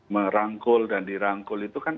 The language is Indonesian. merangkul dan dirangkul itu kan